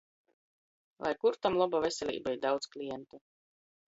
Lai Kurtam loba veseleiba i daudz klientu!